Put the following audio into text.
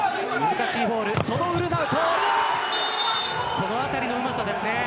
このあたりのうまさです。